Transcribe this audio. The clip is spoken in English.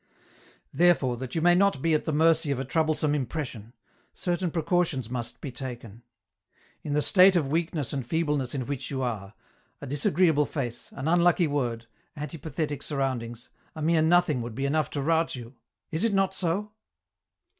" Therefore that you may not be at the mercy of a troublesome impression, certain precautions must be taken. In the state of weakness and feebleness in which you are, a disagreeable face, an unlucky word, antipathetic surroundings, a mere nothing would be enough to rout you — is it not so